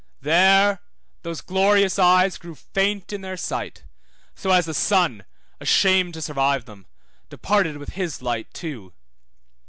There those glorious eyes grew faint in their sight, so as the sun, ashamed to survive them, departed with his light too.